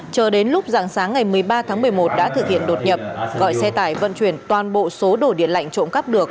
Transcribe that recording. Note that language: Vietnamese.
chờ đến lúc dạng sáng ngày một mươi ba tháng một mươi một đã thực hiện đột nhập gọi xe tải vận chuyển toàn bộ số đồ điện lạnh trộm cắp được